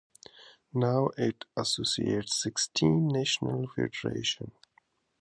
Now it associates sixteen national federations.